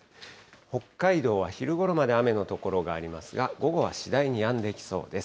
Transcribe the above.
北海道は昼ごろまで雨の所がありますが、午後は次第にやんできそうです。